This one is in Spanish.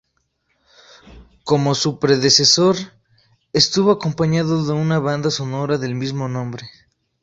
Como su predecesor, estuvo acompañado de una banda sonora del mismo nombre.